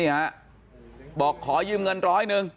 นี่ฮะบอกขอยืมเงินร้อยนึง